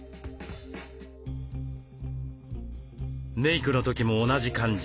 メークの時も同じ感じ。